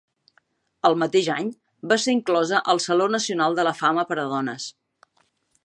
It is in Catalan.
El mateix any, va ser inclosa al Saló Nacional de la Fama per a Dones.